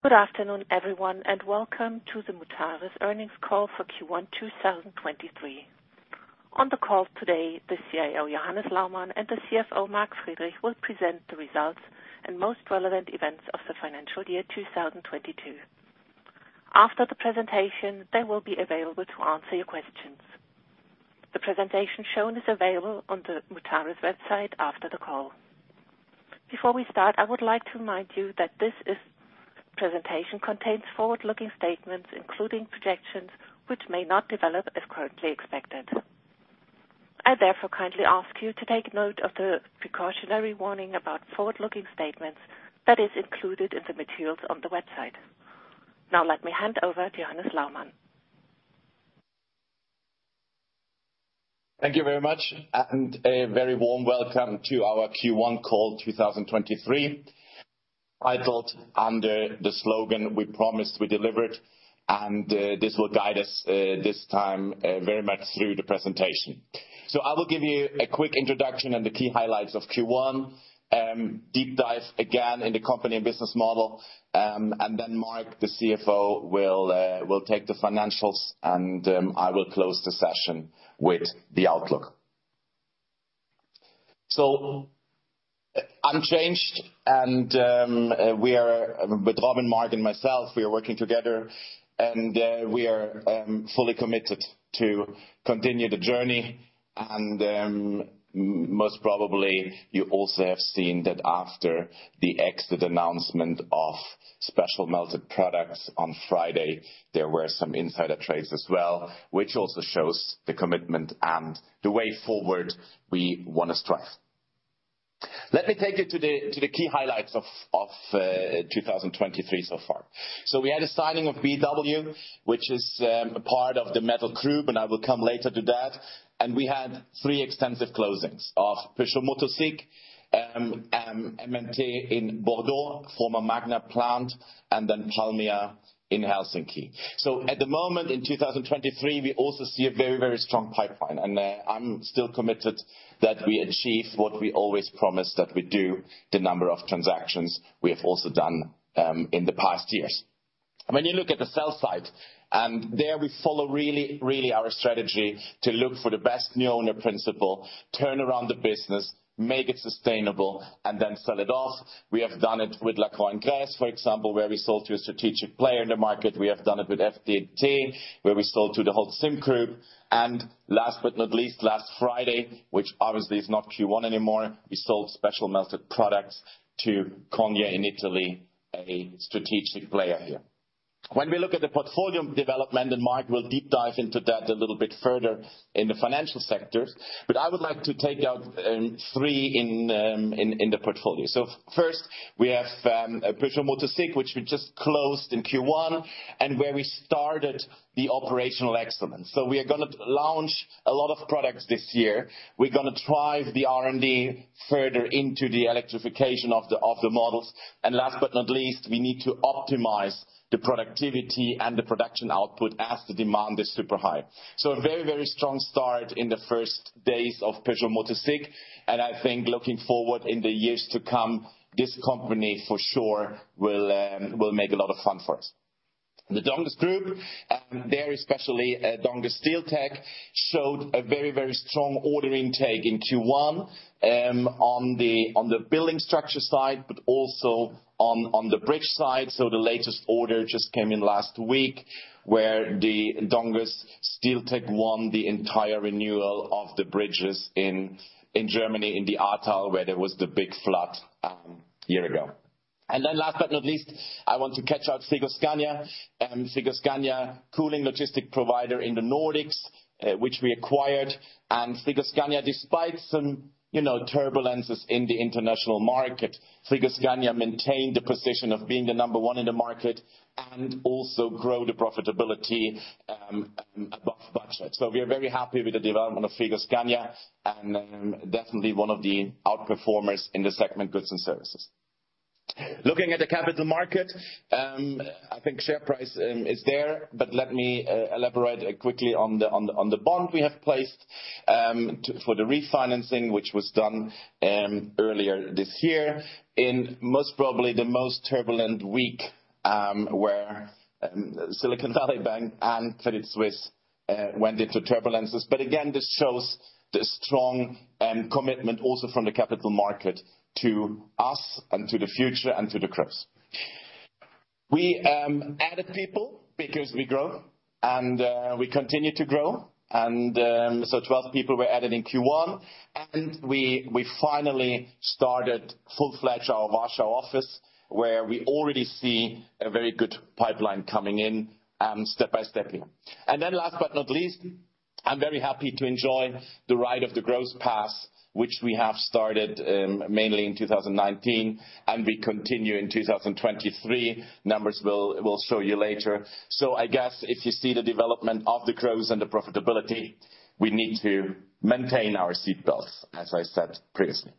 Good afternoon, everyone, and welcome to the Mutares Earnings Call for Q1 2023. On the call today, the CIO, Johannes Laumann, and the CFO, Mark Friedrich, will present the results and most relevant events of the financial year 2022. After the presentation, they will be available to answer your questions. The presentation shown is available on the Mutares website after the call. Before we start, I would like to remind you that this presentation contains forward-looking statements, including projections, which may not develop as currently expected. I therefore kindly ask you to take note of the precautionary warning about forward-looking statements that is included in the materials on the website. Now let me hand over to Johannes Laumann. Thank you very much, and a very warm welcome to our Q1 call 2023. I thought under the slogan, "We promised, we delivered," and this will guide us this time very much through the presentation. I will give you a quick introduction on the key highlights of Q1, deep dive again in the company and business model, and then Mark, the CFO, will take the financials and I will close the session with the outlook. Unchanged and we are with Robin, Mark and myself, we are working together and we are fully committed to continue the journey. Most probably you also have seen that after the exit announcement of Special Melted Products on Friday, there were some insider trades as well, which also shows the commitment and the way forward we wanna strive. Let me take you to the key highlights of 2023 so far. We had a signing of BW, which is part of the Metals Group, and I will come later to that. We had three extensive closings of Peugeot Motocycles, MMT-B in Bordeaux, former Magna plant, and then Palmia in Helsinki. At the moment in 2023, we also see a very, very strong pipeline, and I'm still committed that we achieve what we always promise that we do, the number of transactions we have also done in the past years. When you look at the sell side, there we follow really our strategy to look for the best new owner principle, turn around the business, make it sustainable, and then sell it off. We have done it with Lacroix + Kress, for example, where we sold to a strategic player in the market. We have done it with FDT, where we sold to the Holcim Group. Last but not least, last Friday, which obviously is not Q1 anymore, we sold Special Melted Products to Cogne in Italy, a strategic player here. When we look at the portfolio development, and Mark will deep dive into that a little bit further in the financial sectors, but I would like to take out three in the portfolio. First, we have Peugeot Motocycles, which we just closed in Q1, and where we started the operational excellence. We are gonna launch a lot of products this year. We're gonna drive the R&D further into the electrification of the models. Last but not least, we need to optimize the productivity and the production output as the demand is super high. A very, very strong start in the first days of Peugeot Motocycles, and I think looking forward in the years to come, this company for sure will make a lot of fun for us. The Donges Group, there especially, Donges SteelTec showed a very, very strong ordering take in Q1 on the building structure side, but also on the bridge side. The latest order just came in last week, where the Donges SteelTec won the entire renewal of the bridges in Germany, in the Ahrtal, where there was the big flood a year ago. Last but not least, I want to catch out Frigoscandia. Frigoscandia, cooling logistic provider in the Nordics, which we acquired. Frigoscandia, despite some, you know, turbulences in the international market, Frigoscandia maintained the position of being the number one in the market and also grow the profitability above budget. We are very happy with the development of Frigoscandia, and definitely one of the out-performers in the segment goods and services. Looking at the capital market, I think share price is there, but let me elaborate quickly on the bond we have placed for the refinancing which was done earlier this year in most probably the most turbulent week, where Silicon Valley Bank and Credit Suisse went into turbulences. Again, this shows the strong commitment also from the capital market to us and to the future and to the crops. We added people because we grow and we continue to grow. 12 people were added in Q1, and we finally started full-fledged our Warsaw office, where we already see a very good pipeline coming in step-by-step here. Last but not least, I'm very happy to enjoy the ride of the growth path, which we have started mainly in 2019, and we continue in 2023. Numbers we'll show you later. I guess if you see the development of the growth and the profitability, we need to maintain our seatbelts, as I said previously.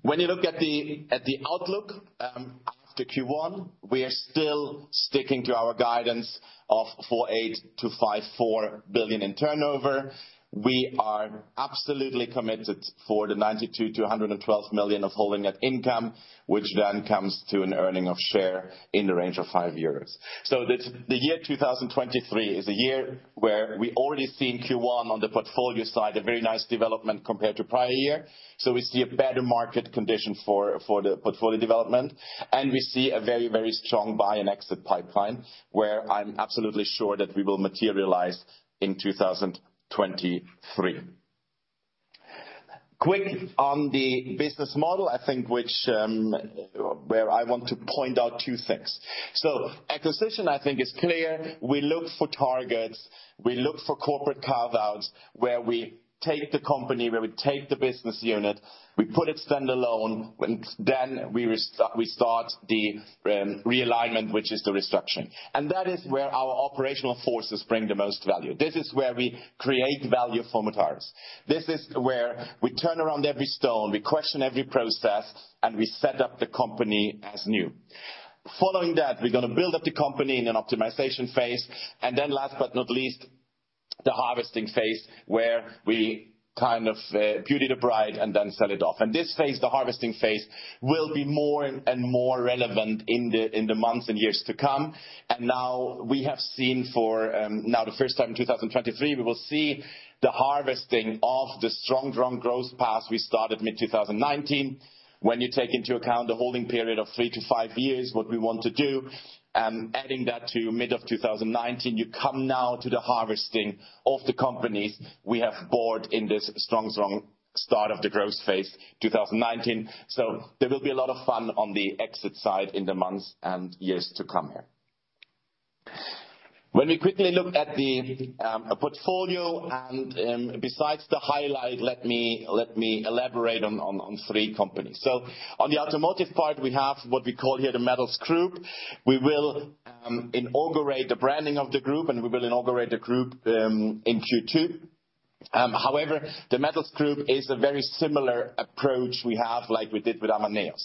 When you look at the outlook, after Q1, we are still sticking to our guidance of 4.8 billion-5.4 billion in turnover. We are absolutely committed for the 92 million-112 million of holding net income, which then comes to an earning of share in the range of 5 euros. The year 2023 is a year where we already see in Q1 on the portfolio side a very nice development compared to prior year. We see a better market condition for the portfolio development, and we see a very strong buy and exit pipeline, where I'm absolutely sure that we will materialize in 2023. Quick on the business model, I think which, where I want to point out two things. Acquisition I think is clear. We look for targets, we look for corporate carve-outs, where we take the company, where we take the business unit, we put it standalone, and then we start the realignment, which is the restructuring. That is where our operational forces bring the most value. This is where we create value for Mutares. This is where we turn around every stone, we question every process, and we set up the company as new. Following that, we're gonna build up the company in an optimization phase. Last but not least, the harvesting phase, where we kind of beauty the bride and then sell it off. This phase, the harvesting phase, will be more and more relevant in the months and years to come. Now we have seen for, now the first time in 2023, we will see the harvesting of the strong growth path we started mid 2019. When you take into account the holding period of three to five years, what we want to do, adding that to mid of 2019, you come now to the harvesting of the companies we have bought in this strong start of the growth phase, 2019. There will be a lot of fun on the exit side in the months and years to come here. When we quickly look at the portfolio and, besides the highlight, let me elaborate on three companies. On the automotive part, we have what we call here the Metals Group. We will inaugurate the branding of the group, and we will inaugurate the group in Q2. The Metals Group is a very similar approach we have like we did with Amaneos.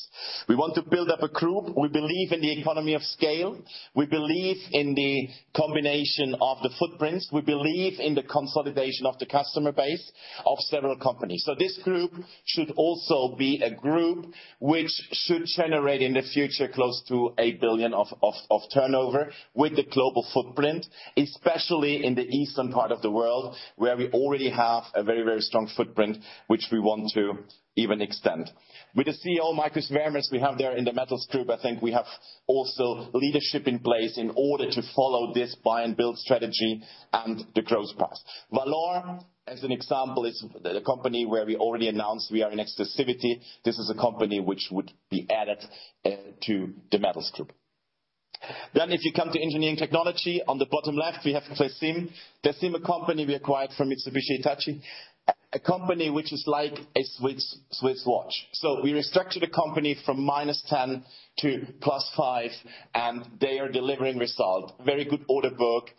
We want to build up a group. We believe in the economy of scale. We believe in the combination of the footprints. We believe in the consolidation of the customer base of several companies. This group should also be a group which should generate in the future close to 8 billion of turnover with the global footprint, especially in the eastern part of the world, where we already have a very, very strong footprint, which we want to even extend. With the CEO, Markus Wermers, we have there in the Metals Group, I think we have also leadership in place in order to follow this buy and build strategy and the growth path. Walor, as an example, is the company where we already announced we are in exclusivity. This is a company which would be added to the Metals Group. Then if you come to Engineering Technology, on the bottom left, we have Tesim. Tesim, a company we acquired from Mitsubishi Hitachi, a company which is like a Swiss watch. We restructured the company from -10 to +5, and they are delivering results. Very good order book,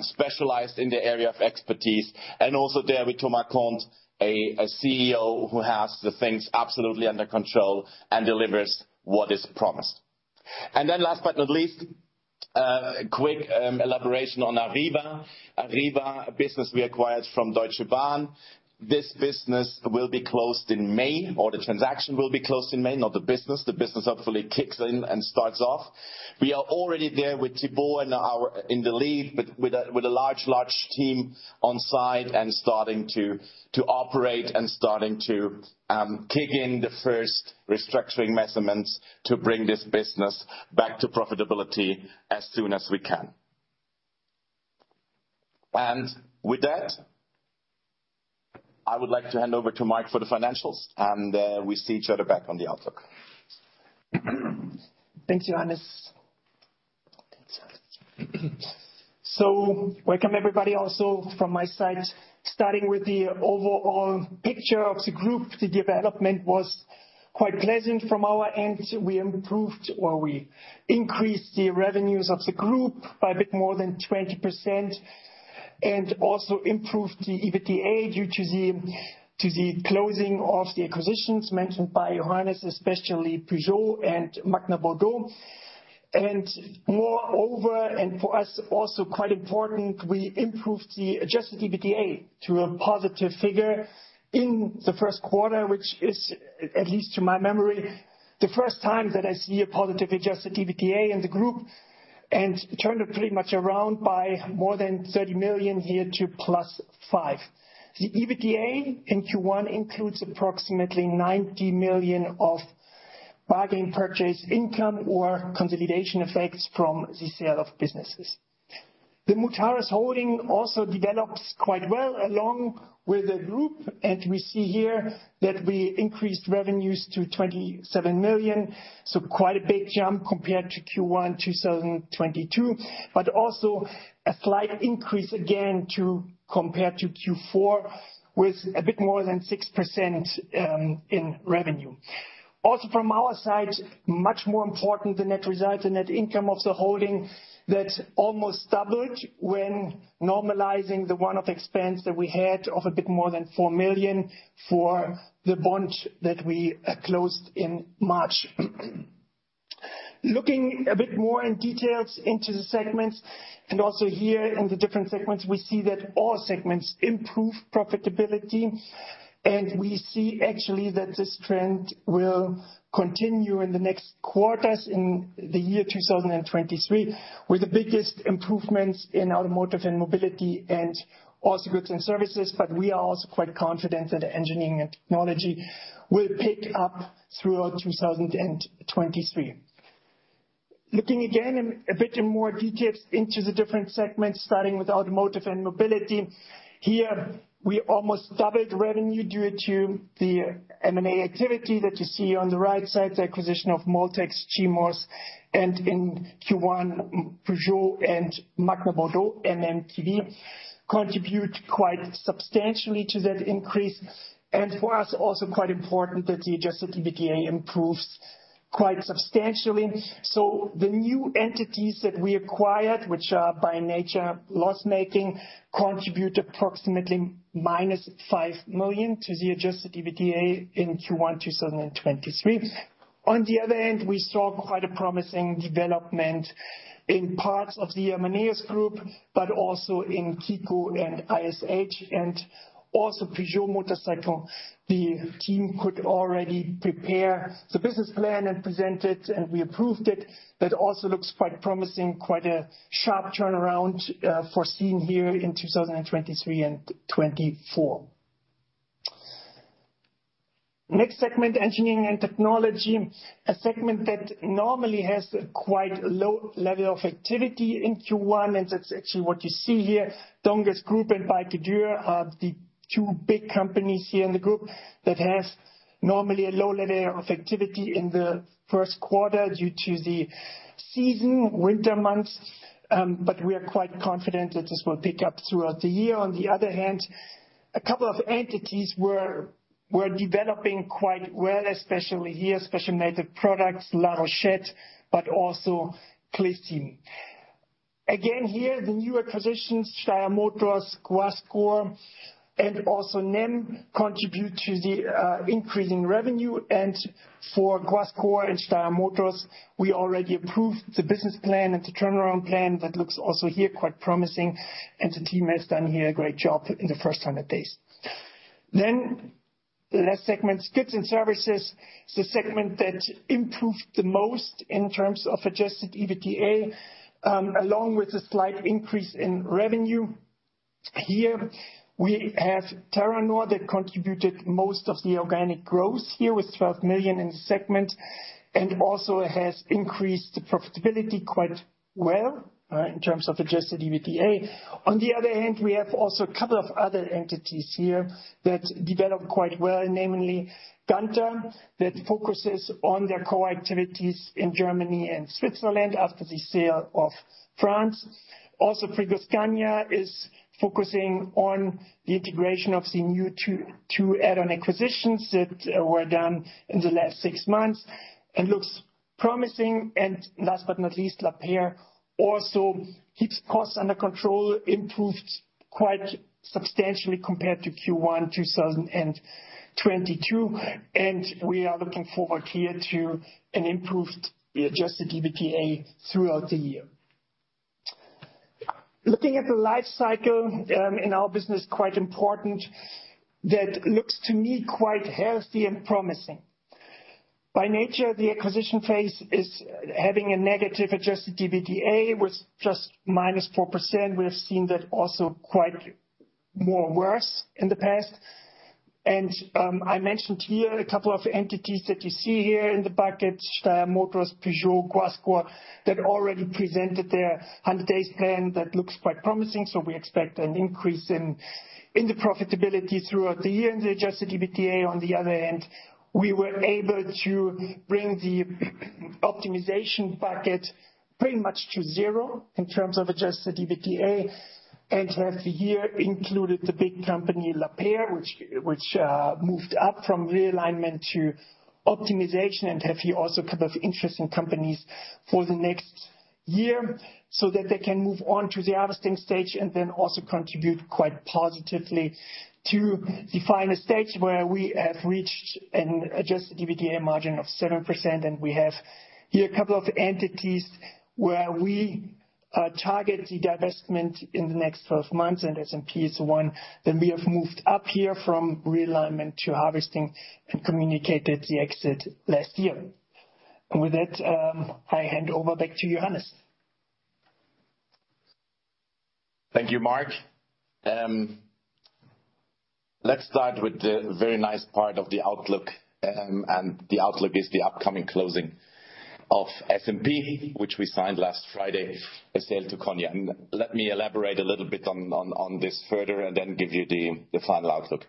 specialized in the area of expertise. Also there with Thomas Comte, a CEO who has the things absolutely under control and delivers what is promised. Last but not least, quick elaboration on Arriva. Arriva, a business we acquired from Deutsche Bahn. This business will be closed in May, or the transaction will be closed in May, not the business. The business hopefully kicks in and starts off. We are already there with Thibault in the lead with a large team on site and starting to operate and starting to kick in the first restructuring measurements to bring this business back to profitability as soon as we can. With that, I would like to hand over to Mark Friedrich for the financials, we see each other back on the outlook. Thanks, Johannes. Welcome everybody also from my side. Starting with the overall picture of the group, the development was quite pleasant from our end. We improved or we increased the revenues of the group by a bit more than 20% and also improved the EBITDA due to the closing of the acquisitions mentioned by Johannes, especially Peugeot and Magna Bordeaux. Moreover, and for us also quite important, we improved the adjusted EBITDA to a positive figure in the first quarter, which is, at least to my memory, the first time that I see a positive adjusted EBITDA in the group, and turned it pretty much around by more than 30 million here to +5. The EBITDA in Q1 includes approximately 90 million of bargain purchase income or consolidation effects from the sale of businesses. The Mutares holding also develops quite well along with the group, and we see here that we increased revenues to 27 million, so quite a big jump compared to Q1 2022, but also a slight increase again to compared to Q4 with a bit more than 6% in revenue. Also from our side, much more important the net result, the net income of the holding that almost doubled when normalizing the one-off expense that we had of a bit more than 4 million for the bond that we closed in March. Looking a bit more in details into the segments, and also here in the different segments, we see that all segments improve profitability. We see actually that this trend will continue in the next quarters, in 2023, with the biggest improvements in automotive and mobility and also goods and services. We are also quite confident that engineering and technology will pick up throughout 2023. Looking again a bit in more details into the different segments, starting with automotive and mobility. Here we almost doubled revenue due to the M&A activity that you see on the right side, the acquisition of MoldTecs, Cimos, and in Q1, Peugeot and Magna PT Bordeaux MMT-B contribute quite substantially to that increase. For us, also quite important that the adjusted EBITDA improves quite substantially. The new entities that we acquired, which are by nature loss-making, contribute approximately -5 million to the adjusted EBITDA in Q1, 2023. On the other hand, we saw quite a promising development in parts of the Amaneos Group, but also in KICO and ISH and also Peugeot Motocycles. The team could already prepare the business plan and present it, and we approved it. That also looks quite promising, quite a sharp turnaround, foreseen here in 2023 and 2024. Next segment, engineering and technology. A segment that normally has a quite low level of activity in Q1, and that's actually what you see here. Donges Group and Balcke-Dürr are the two big companies here in the group that have normally a low level of activity in the first quarter due to the season, winter months. We are quite confident that this will pick up throughout the year. On the other hand, a couple of entities were developing quite well, especially here, especially Native Products, La Rochette, but also Clecim. The new acquisitions, Steyr Motors, Guascor, and also NEM contribute to the increase in revenue. For Guascor and Steyr Motors, we already approved the business plan and the turnaround plan. That looks also here quite promising, and the team has done here a great job in the first 100 days. The last segment, goods and services. The segment that improved the most in terms of adjusted EBITDA, along with a slight increase in revenue. Here we have Terranor that contributed most of the organic growth here with 12 million in the segment, and also has increased the profitability quite well in terms of adjusted EBITDA. On the other hand, we have also a couple of other entities here that developed quite well, namely Ganter, that focuses on their core activities in Germany and Switzerland after the sale of France. Frigoscandia is focusing on the integration of the new two add-on acquisitions that were done in the last six months. It looks promising. Last but not least, Lapeyre also keeps costs under control, improved quite substantially compared to Q1 2022, and we are looking forward here to an improved adjusted EBITDA throughout the year. Looking at the life cycle in our business, quite important, that looks to me quite healthy and promising. By nature, the acquisition phase is having a negative adjusted EBITDA with just -4%. We have seen that also quite more worse in the past. I mentioned here a couple of entities that you see here in the bucket, Steyr Motors, Peugeot, Guascor, that already presented their 100-days plan. That looks quite promising, we expect an increase in the profitability throughout the year in the adjusted EBITDA. On the other hand, we were able to bring the optimization bucket pretty much to zero in terms of adjusted EBITDA. Have here included the big company, Lapeyre, which moved up from realignment to optimization and have here also a couple of interesting companies for the next year, so that they can move on to the harvesting stage and then also contribute quite positively to the final stage where we have reached an adjusted EBITDA margin of 7%. We have here a couple of entities where we target the divestment in the next 12 months, and SMP is one that we have moved up here from realignment to harvesting and communicated the exit last year. With that, I hand over back to Johannes. Thank you, Mark. Let's start with the very nice part of the outlook. The outlook is the upcoming closing of SMP, which we signed last Friday, a sale to Cogne. Let me elaborate a little bit on this further and then give you the final outlook.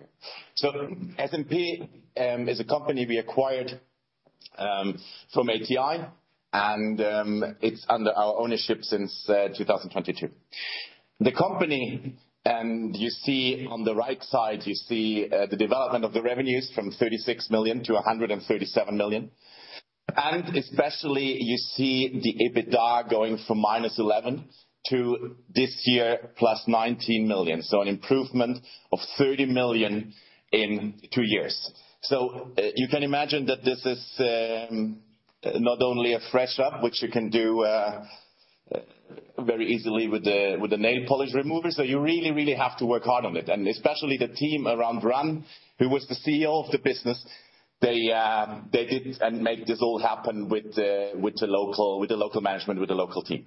SMP is a company we acquired from ATI, and it's under our ownership since 2022. The company, you see on the right side, you see the development of the revenues from 36 million to 137 million. Especially you see the EBITDA going from -11 to this year plus 19 million. An improvement of 30 million in two years. You can imagine that this is not only a fresh up, which you can do Very easily with the nail polish remover. You really, really have to work hard on it. Especially the team around Ran, who was the CEO of the business, they did and make this all happen with the local management, with the local team.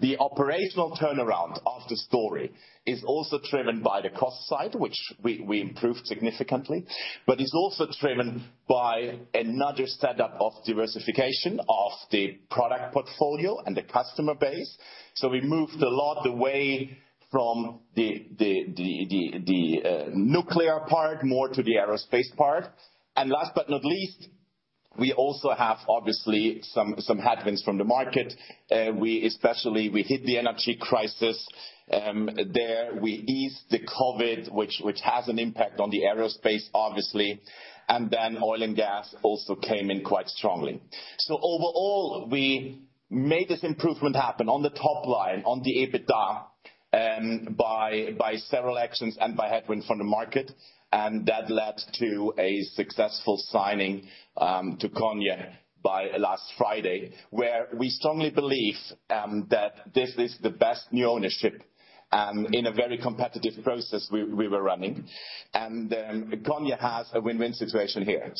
The operational turnaround of the story is also driven by the cost side, which we improved significantly. It's also driven by another set up of diversification of the product portfolio and the customer base. We moved a lot away from the nuclear part more to the aerospace part. Last but not least, we also have obviously some headwinds from the market. We especially hit the energy crisis there. We eased the COVID, which has an impact on the aerospace, obviously. Then oil and gas also came in quite strongly. Overall, we made this improvement happen on the top line, on the EBITDA, by several actions and by headwind from the market, and that led to a successful signing to Cogne by last Friday, where we strongly believe that this is the best new ownership in a very competitive process we were running. Cogne has a win-win situation here.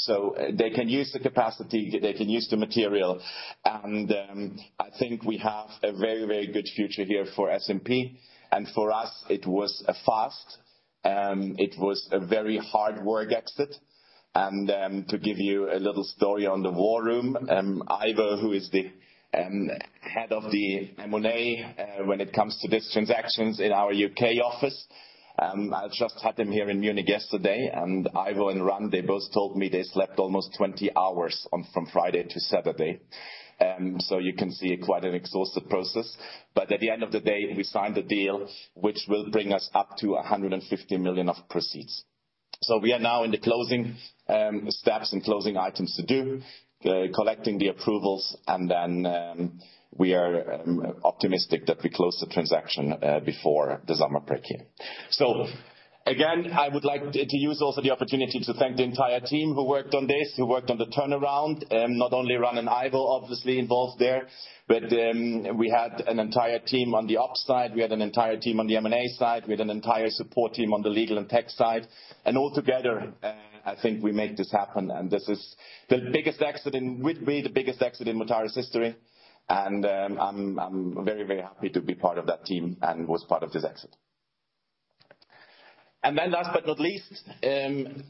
They can use the capacity, they can use the material, and I think we have a very, very good future here for SMP. For us, it was a fast, very hard work exit. To give you a little story on the war room, Ivo, who is the head of the M&A when it comes to these transactions in our U.K. office, I just had him here in Munich yesterday. Ivo and Ran, they both told me they slept almost 20 hours on from Friday to Saturday. You can see quite an exhaustive process. At the end of the day, we signed the deal, which will bring us up to 150 million of proceeds. We are now in the closing steps and closing items to do. Collecting the approvals, we are optimistic that we close the transaction before the summer break here. Again, I would like to use also the opportunity to thank the entire team who worked on this, who worked on the turnaround, not only Ran and Ivo obviously involved there, but we had an entire team on the ops side, we had an entire team on the M&A side, we had an entire support team on the legal and tech side. All together, I think we made this happen, and this will be the biggest exit in Mutares history. I'm very, very happy to be part of that team and was part of this exit. Last but not least,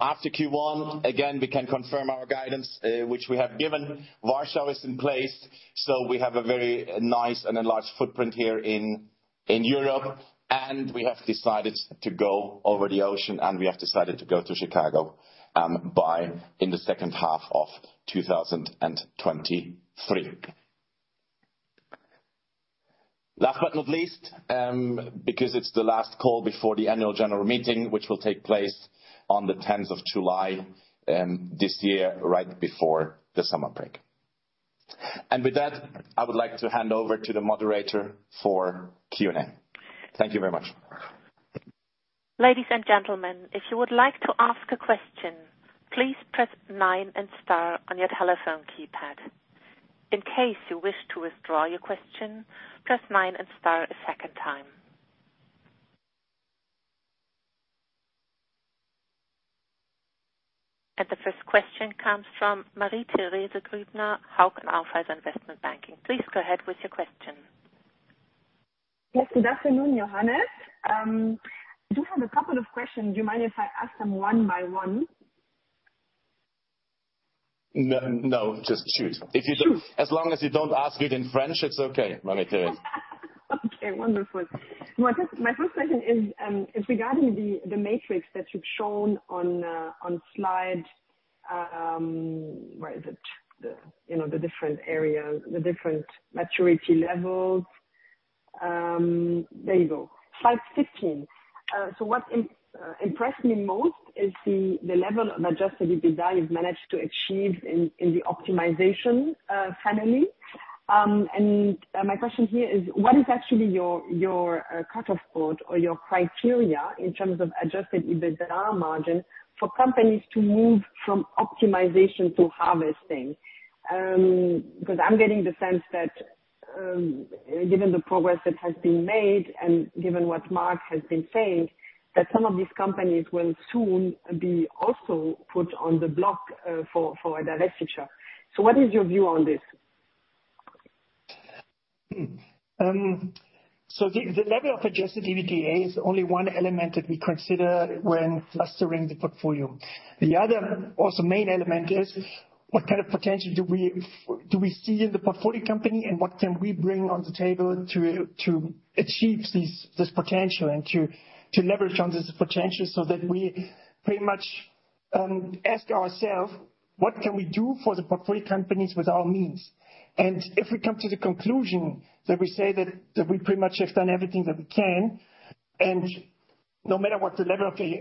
after Q1, again, we can confirm our guidance, which we have given. Warsaw is in place, so we have a very nice and enlarged footprint here in Europe, and we have decided to go over the ocean, and we have decided to go to Chicago, by in the second half of 2023. Last but not least, because it's the last call before the annual general meeting, which will take place on the 10th of July, this year, right before the summer break. With that, I would like to hand over to the moderator for Q&A. Thank you very much. Ladies and gentlemen, if you would like to ask a question, please press nine and star on your telephone keypad. In case you wish to withdraw your question, press nine and star a second time. The first question comes from Marie-Thérèse Grübner, Hauck & Aufhäuser Investment Banking. Please go ahead with your question. Yes, good afternoon, Johannes. I do have a couple of questions. Do you mind if I ask them one by one? No, no, just shoot. Shoot. As long as you don't ask it in French, it's okay, Marie-Thérèse. Okay, wonderful. My first question is regarding the matrix that you've shown on slide... Where is it? The, you know, the different areas, the different maturity levels. There you go. Slide 15. What impressed me most is the level of adjusted EBITDA you've managed to achieve in the optimization, family. My question here is, what is actually your, cut off point or your criteria in terms of adjusted EBITDA margin for companies to move from optimization to harvesting? I'm getting the sense that, given the progress that has been made and given what Mark has been saying, that some of these companies will soon be also put on the block, for a direct future. What is your view on this? The level of adjusted EBITDA is only one element that we consider when clustering the portfolio. The other also main element is what kind of potential do we see in the portfolio company, and what can we bring on the table to achieve this potential and to leverage on this potential so that we pretty much ask ourself what can we do for the portfolio companies with our means? If we come to the conclusion that we say that we pretty much have done everything that we can, and no matter what the level of the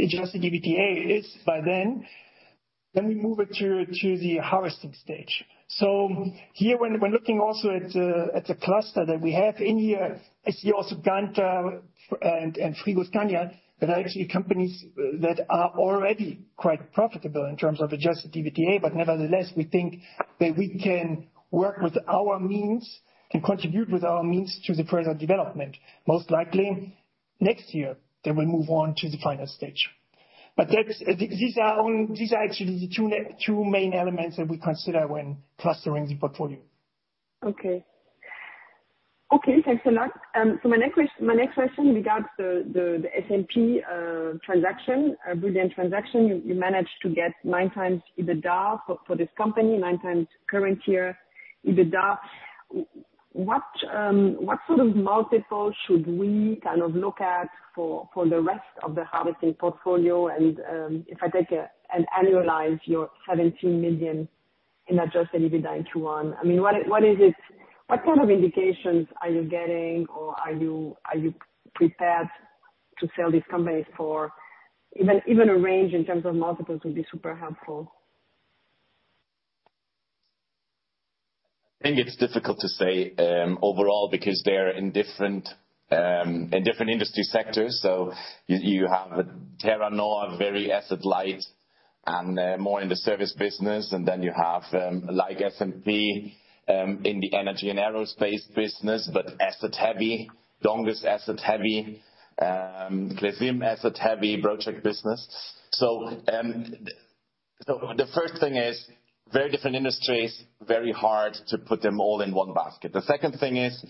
adjusted EBITDA is by then we move it to the harvesting stage. Here when, we're looking also at the cluster that we have in here, I see also Ganter and Frigoscandia that are actually companies that are already quite profitable in terms of adjusted EBITDA. Nevertheless, we think that we can work with our means, can contribute with our means to the further development. Next year, we'll move on to the final stage. These are actually the two main elements that we consider when clustering the portfolio. Okay. Okay, thanks a lot. My next question regards the SMP transaction, a brilliant transaction. You managed to get 9x EBITDA for this company, 9x current year EBITDA. What sort of multiple should we kind of look at for the rest of the harvesting portfolio? If I annualize your 17 million in adjusted EBITDA into one, I mean, what kind of indications are you getting or are you prepared to sell these companies for even a range in terms of multiples would be super helpful. I think it's difficult to say, overall because they're in different, in different industry sectors. You have Terranor, very asset light and more in the service business, and then you have like SMP in the energy and aerospace business, but asset heavy, Donges asset heavy, Clecim asset heavy Brochier business. The first thing is very different industries, very hard to put them all in one basket. The second thing is,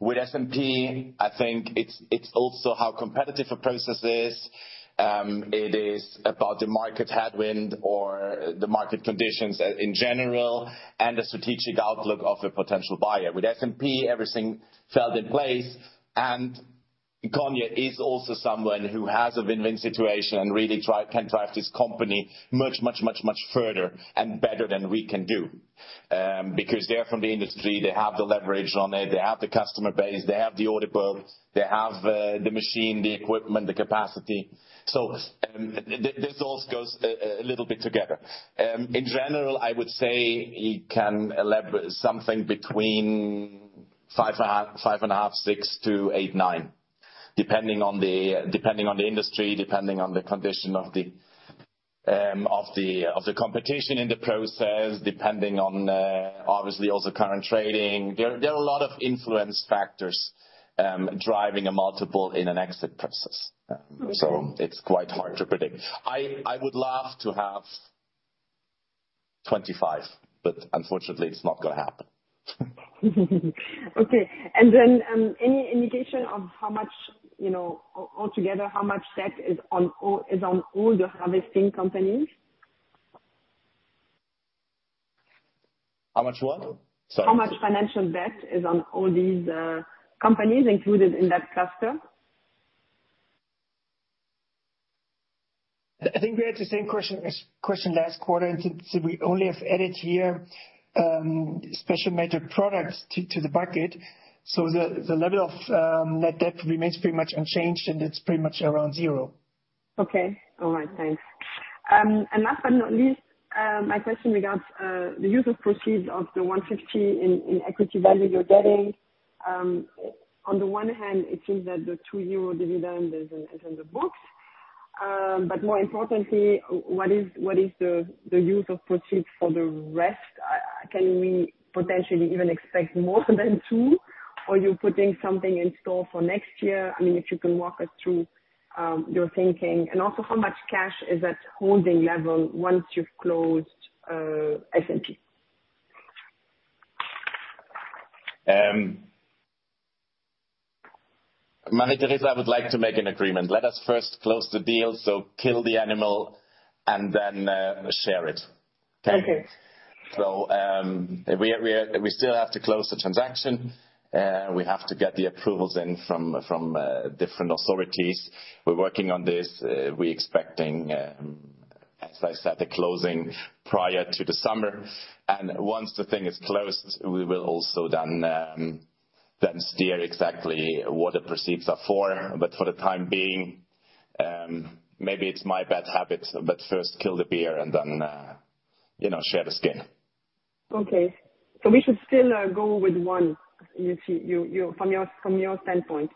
with SMP, I think it's also how competitive a process is. It is about the market headwind or the market conditions in general and the strategic outlook of a potential buyer. With SMP, everything felt in place, and Conja is also someone who has a win-win situation and really can drive this company much, much, much, much further and better than we can do. Because they're from the industry, they have the leverage on it, they have the customer base, they have the order book, they have the machine, the equipment, the capacity. This also goes a little bit together. In general, I would say it can lever something between 5.5x, 6x-8x, 9x, depending on the industry, depending on the condition of the competition in the process, depending on obviously also current trading. There are a lot of influence factors driving a multiple in an exit process. Okay. It's quite hard to predict. I would love to have 25x. Unfortunately it's not gonna happen. Okay. Then, any indication on how much, you know, altogether, how much debt is on all the harvesting companies? How much what? Sorry. How much financial debt is on all these companies included in that cluster? I think we had the same question last quarter. We only have added here Special Melted Products to the bucket. The level of net debt remains pretty much unchanged. It's pretty much around zero. Okay. All right, thanks. Last but not least, my question regards the use of proceeds of the 150 in equity value you're getting. On the one hand, it seems that the 2 euro dividend is in the books. More importantly, what is the use of proceeds for the rest? Can we potentially even expect more than 2? Are you putting something in store for next year? I mean, if you can walk us through your thinking and also how much cash is at holding level once you've closed SMP. Marie-Thérèse, I would like to make an agreement. Let us first close the deal, kill the animal and then share it. Okay? Okay. We still have to close the transaction. We have to get the approvals in from different authorities. We're working on this. We expecting, as I said, the closing prior to the summer. Once the thing is closed, we will also then steer exactly what the proceeds are for. For the time being, maybe it's my bad habit, but first kill the beer and then, you know, share the skin. Okay. We should still go with one, you see, you from your standpoint.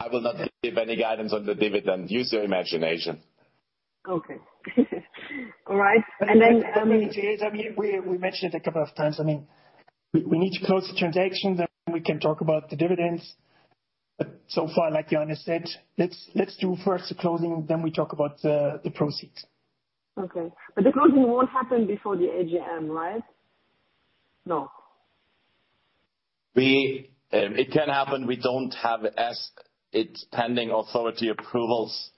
I will not give any guidance on the dividend. Use your imagination. Okay. All right. I mean, we mentioned it a couple of times. I mean, we need to close the transaction, then we can talk about the dividends. So far, like Johannes said, let's do first the closing, then we talk about the proceeds. Okay. The closing won't happen before the AGM, right? No. We, it can happen. We don't have as it's pending authority approvals,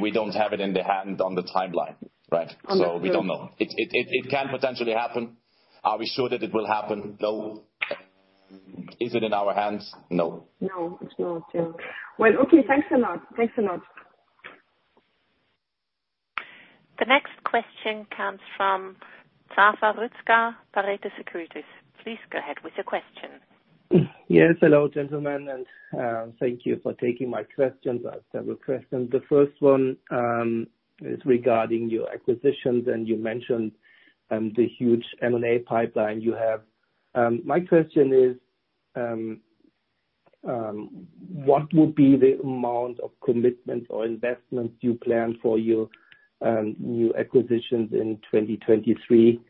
we don't have it in the hand on the timeline, right? Understood. We don't know. It can potentially happen. Are we sure that it will happen? No. Is it in our hands? No. No, it's not. Yeah. Well, okay, thanks a lot. Thanks a lot. The next question comes from Zafer Rüzgar, Pareto Securities. Please go ahead with your question. Yes, hello, gentlemen, thank you for taking my questions. I have several questions. The first one is regarding your acquisitions, and you mentioned the huge M&A pipeline you have. My question is, what would be the amount of commitment or investment you plan for your new acquisitions in 2023?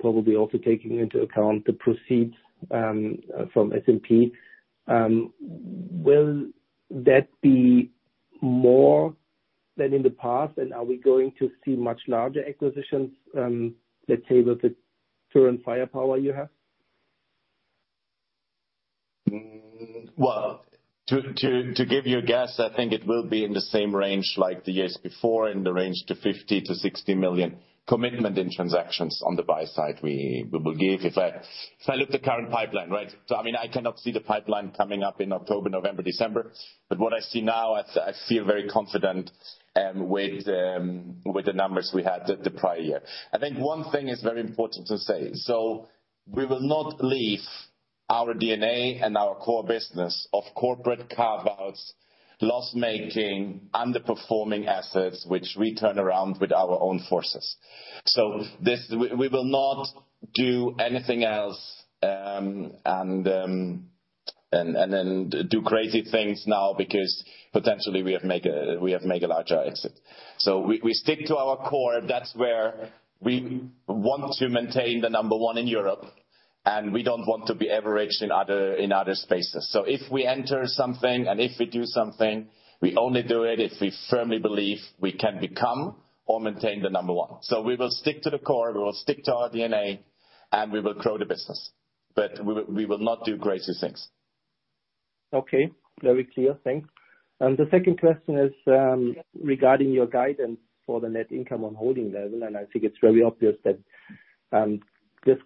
Probably also taking into account the proceeds from SMP. Will that be more than in the past, and are we going to see much larger acquisitions, let's say, with the current firepower you have? Well, to give you a guess, I think it will be in the same range like the years before, in the range to 50 million-60 million commitment in transactions on the buy side we will give. If I look at the current pipeline, right? I mean, I cannot see the pipeline coming up in October, November, December, but what I see now, I feel very confident with the numbers we had the prior year. I think one thing is very important to say. We will not leave our DNA and our core business of corporate carve-outs, loss-making, underperforming assets, which we turn around with our own forces. We will not do anything else and then do crazy things now because potentially we have mega larger exit. We stick to our core. That's where we want to maintain the number one in Europe, and we don't want to be averaged in other spaces. If we enter something and if we do something, we only do it if we firmly believe we can become or maintain the number one. We will stick to the core, we will stick to our DNA, and we will grow the business. We will not do crazy things. Okay. Very clear. Thanks. The second question is, regarding your guidance for the net income on holding level, and I think it's very obvious that, this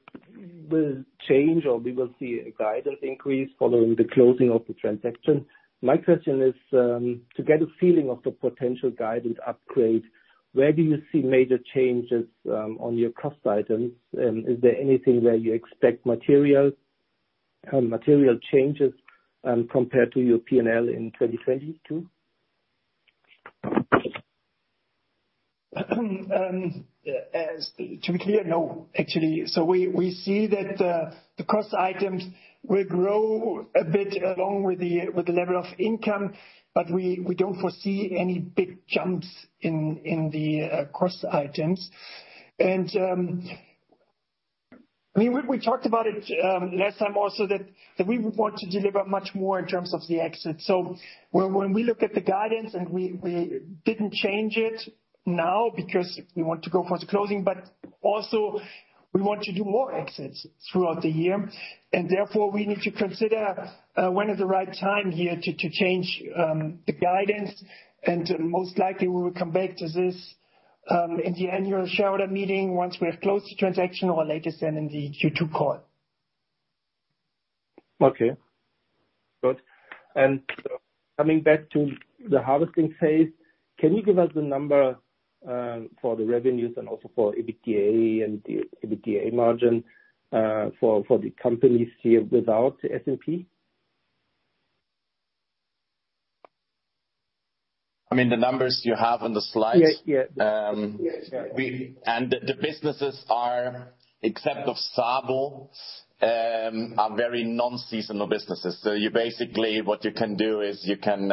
will change or we will see a guidance increase following the closing of the transaction. My question is, to get a feeling of the potential guidance upgrade, where do you see major changes, on your cost items? Is there anything where you expect material changes, compared to your P&L in 2022? As to be clear, no, actually. We see that the cost items will grow a bit along with the level of income, but we don't foresee any big jumps in the cost items. I mean, we talked about it last time also that we would want to deliver much more in terms of the exit. When we look at the guidance and we didn't change it now because we want to go for the closing, but also we want to do more exits throughout the year. We need to consider when is the right time here to change the guidance. Most likely we will come back to this in the annual shareholder meeting once we have closed the transaction or latest then in the Q2 call. Okay. Good. Coming back to the harvesting phase, can you give us the number for the revenues and also for EBITDA and the EBITDA margin for the companies here without SMP? I mean, the numbers you have on the slides. Yeah. Yeah. The businesses are, except of SABO, are very non-seasonal businesses. You basically, what you can do is you can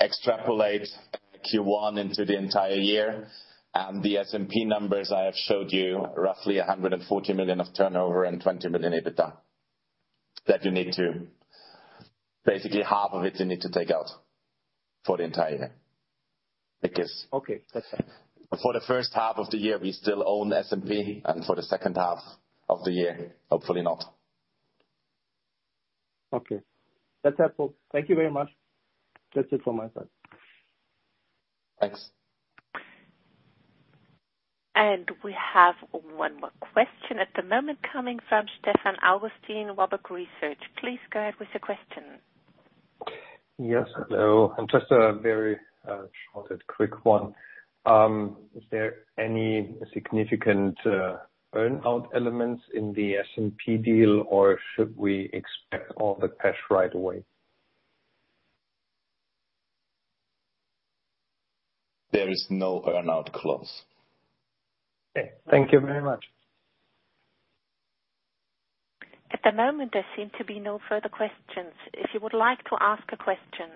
extrapolate Q1 into the entire year. The SMP numbers I have showed you, roughly 140 million of turnover and 20 million EBITDA. Basically half of it you need to take out for the entire year. Okay. That's fine. For the first half of the year we still own SMP. For the second half of the year, hopefully not. Okay. That's helpful. Thank you very much. That's it from my side. Thanks. We have one more question at the moment coming from Stefan Augustin, Warburg Research. Please go ahead with your question. Yes. Hello. Just a very, short and quick one. Is there any significant, earn-out elements in the SMP deal or should we expect all the cash right away? There is no earn-out clause. Okay. Thank you very much. At the moment, there seem to be no further questions. If you would like to ask a question,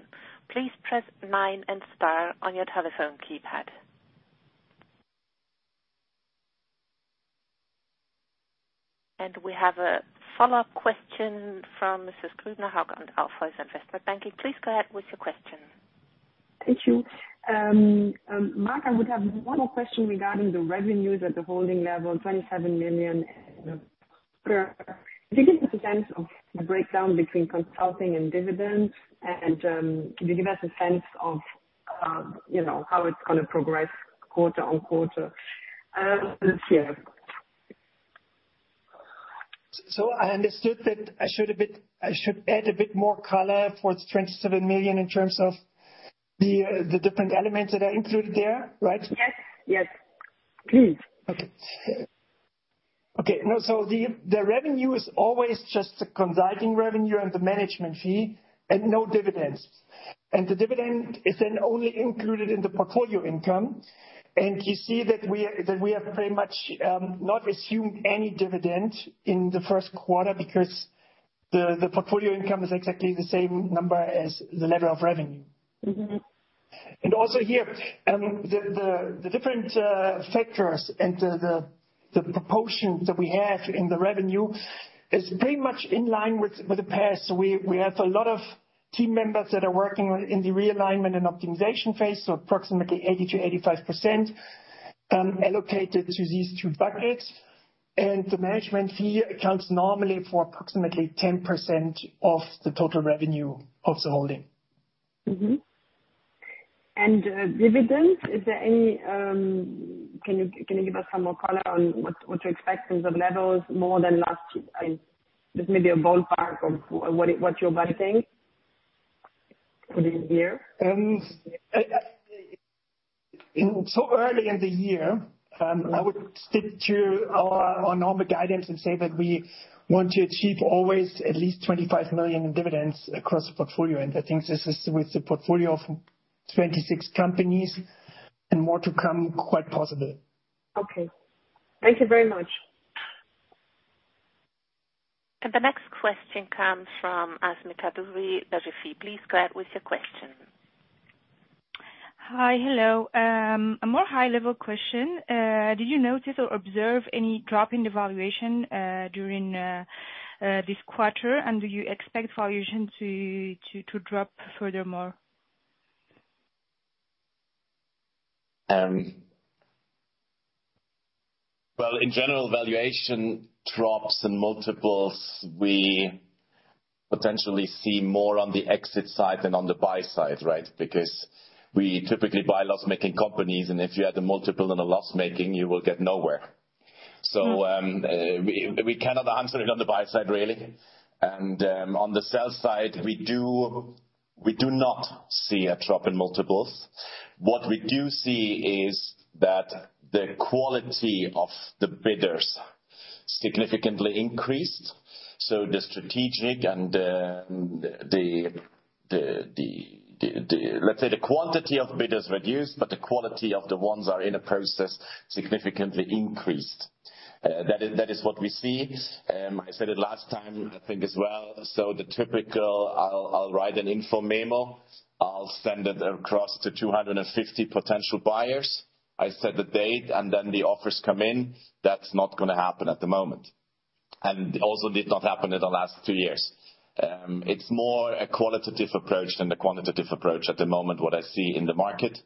please press 9 and star on your telephone keypad. We have a follow-up question from Mrs. Grübner, Hauck & Aufhäuser Investment Banking. Please go ahead with your question. Thank you. Mark, I would have one more question regarding the revenues at the holding level, 27 million. Do you give us a sense of the breakdown between consulting and dividends and can you give us a sense of, you know, how it's gonna progress quarter-on-quarter? Let's see. I understood that I should add a bit more color for the 27 million in terms of the different elements that are included there, right? Yes. Yes, please. Okay. Okay. No, the revenue is always just the consulting revenue and the management fee and no dividends. The dividend is then only included in the portfolio income. You see that we have pretty much not assumed any dividend in the first quarter because the portfolio income is exactly the same number as the level of revenue. Mm-hmm. Also here, the different factors and the proportion that we have in the revenue is pretty much in line with the past. We have a lot of team members that are working on, in the realignment and optimization phase, so approximately 80%-85% allocated to these two buckets. The management fee accounts normally for approximately 10% of the total revenue of the holding. Dividends, is there any? Can you give us some more color on what to expect in the levels more than last year? I mean, just maybe a ballpark of what is, what you're budgeting for this year? Early in the year, I would stick to our normal guidance and say that we want to achieve always at least 25 million in dividends across the portfolio. I think this is with the portfolio of 26 companies, and more to come, quite possible. Okay. Thank you very much. The next question comes from Asmita Dubrey, Berenberg. Please go ahead with your question. Hi. Hello. A more high-level question. Did you notice or observe any drop in the valuation during this quarter? Do you expect valuation to drop furthermore? Well, in general valuation drops and multiples, we potentially see more on the exit side than on the buy side, right? Because we typically buy loss-making companies, and if you had a multiple and a loss-making, you will get nowhere. Mm-hmm. We cannot answer it on the buy side, really. On the sell side, we do not see a drop in multiples. What we do see is that the quality of the bidders significantly increased. The strategic and Let's say the quantity of bidders reduced, but the quality of the ones are in a process significantly increased. That is what we see. I said it last time, I think, as well. The typical I'll write an info memo, I'll send it across to 250 potential buyers. I set the date, and then the offers come in. That's not gonna happen at the moment, and also did not happen in the last two years. It's more a qualitative approach than a quantitative approach at the moment, what I see in the market.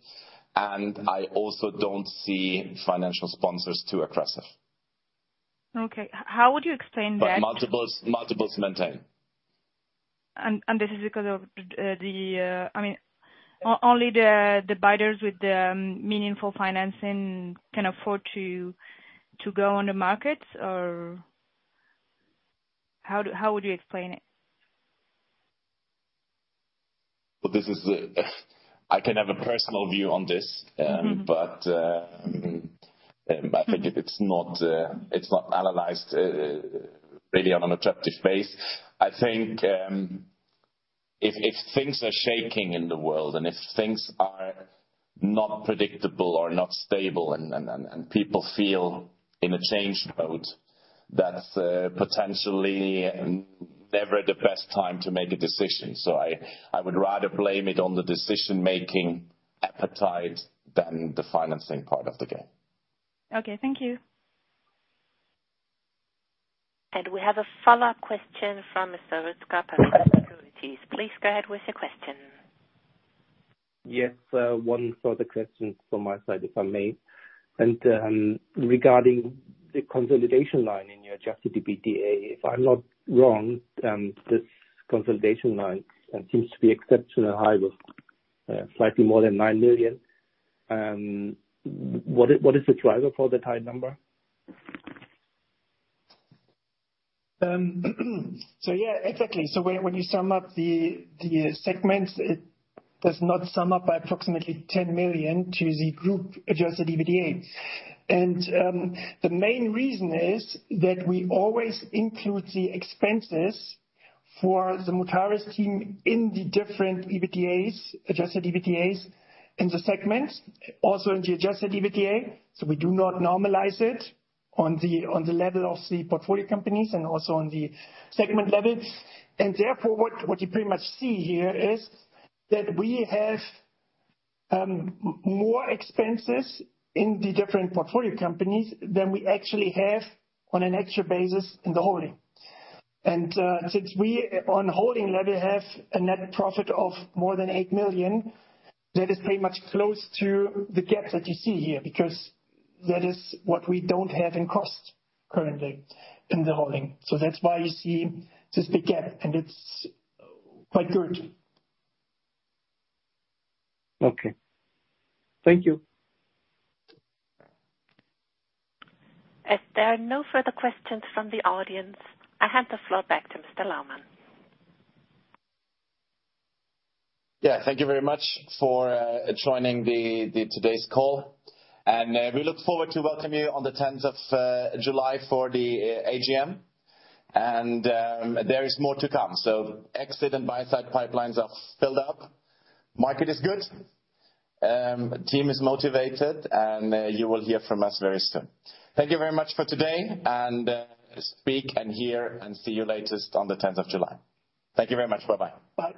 I also don't see financial sponsors too aggressive. Okay. How would you explain that? Multiples maintain. This is because of the. I mean, only the bidders with meaningful financing can afford to go on the market? Or how do, how would you explain it? Well, this is, I can have a personal view on this. Mm-hmm. I think it's not, it's not analyzed really on an objective base. I think, if things are shaking in the world, and if things are not predictable or not stable and, and people feel in a change mode, that's potentially never the best time to make a decision. I would rather blame it on the decision-making appetite than the financing part of the game. Okay, thank you. We have a follow-up question from Zafer Rüzgar, Pareto Securities. Please go ahead with your question. Yes. One further question from my side, if I may. Regarding the consolidation line in your adjusted EBITDA. If I'm not wrong, this consolidation line seems to be exceptionally high with slightly more than 9 million. What is the driver for that high number? Yeah, exactly. When you sum up the segments, it does not sum up by approximately 10 million to the group-adjusted EBITDA. The main reason is that we always include the expenses for the Mutares team in the different EBITDAs, adjusted EBITDAs in the segments, also in the adjusted EBITDA. We do not normalize it on the level of the portfolio companies and also on the segment levels. Therefore, what you pretty much see here is that we have more expenses in the different portfolio companies than we actually have on an extra basis in the holding. Since we on holding level have a net profit of more than 8 million, that is pretty much close to the gap that you see here because that is what we don't have in cost currently in the holding. That's why you see this big gap, and it's quite good. Okay. Thank you. As there are no further questions from the audience, I hand the floor back to Mr. Laumann. Yeah. Thank you very much for joining the today's call, and we look forward to welcoming you on the 10th of July for the AGM. There is more to come. Exit and buy side pipelines are filled up. Market is good. Team is motivated, and you will hear from us very soon. Thank you very much for today, and speak, and hear, and see you later on the 10th of July. Thank you very much. Bye-bye. Bye.